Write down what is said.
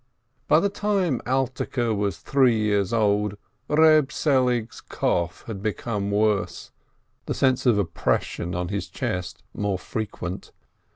By the time Alterke was three years old, Eeb Seng's cough had become worse, the sense of oppression on his chest more frequent.